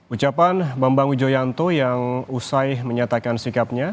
ucapan bambang wijoyanto yang usai menyatakan sikapnya